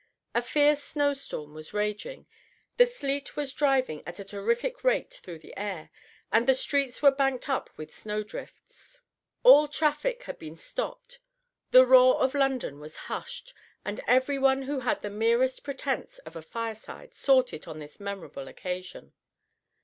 A fierce snowstorm was raging, the sleet was driving at a terrific rate through the air, and the streets were banked up with snow drifts. All traffic had been stopped, the roar of London was hushed, and every one who had the merest pretence of a fireside sought it on this memorable occasion.